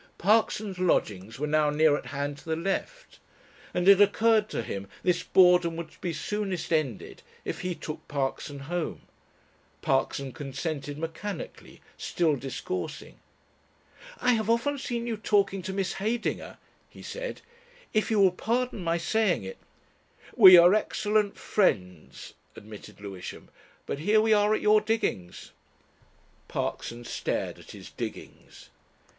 Parkson's lodgings were now near at hand to the left, and it occurred to him this boredom would be soonest ended if he took Parkson home, Parkson consented mechanically, still discoursing. "I have often seen you talking to Miss Heydinger," he said. "If you will pardon my saying it ..." "We are excellent friends," admitted Lewisham. "But here we are at your diggings." Parkson stared at his "diggings."